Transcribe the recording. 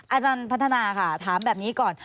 อาจารย์พัฒนาค่ะถามแบบนี้ก่อน